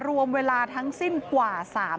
รวมเวลาทั้งสิ้นกว่า